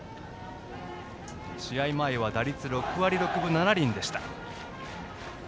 試合前は打率６割６分７厘でした。